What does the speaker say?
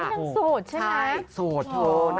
แล้วทางโสดใช่ไหมใช่